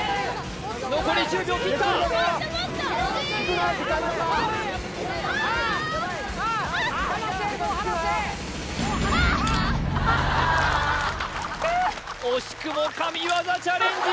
残り１０秒切った惜しくも神業チャレンジ